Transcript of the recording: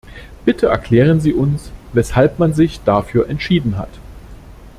Bitte erklären Sie uns, weshalb man sich dafür entschieden hat.